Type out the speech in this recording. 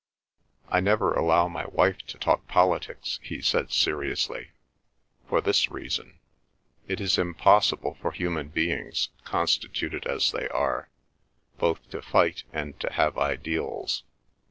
"I never allow my wife to talk politics," he said seriously. "For this reason. It is impossible for human beings, constituted as they are, both to fight and to have ideals.